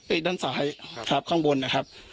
ด้านซ้ายครับข้างบนนะครับ